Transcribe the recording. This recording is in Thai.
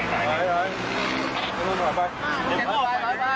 เออเดี๋ยวเข้าไป